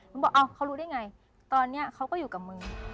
หนูบอกเขารู้ได้ไงตอนนี้เขาก็อยู่กับมึง